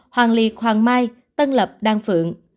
hoàng liệt hoàng mai tân lập đan phượng